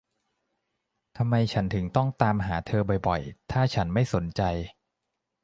ทำไมฉันถึงต้องตามหาเธอบ่อย ๆ ถ้าฉันไม่สนใจ